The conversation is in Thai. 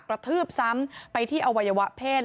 กระทืบซ้ำไปที่อวัยวะเพศ